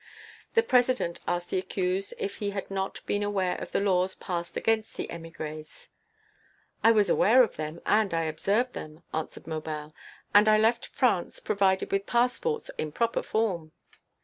The President asked the accused if he had not been aware of the laws passed against the émigrés. "I was aware of them and I observed them," answered Maubel, "and I left France provided with passports in proper form."